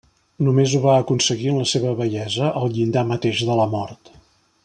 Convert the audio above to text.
Només ho va aconseguir en la seva vellesa, al llindar mateix de la mort.